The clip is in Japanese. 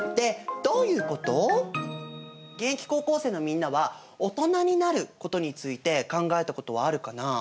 現役高校生のみんなはオトナになることについて考えたことはあるかな？